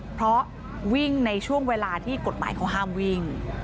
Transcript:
เพราะวิ่งในช่วงเวลาที่กฎหมายเขาห้ามวิ่ง